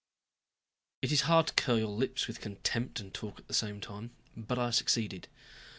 It is hard to curl your lips with contempt and talk at the same time, but I succeeded.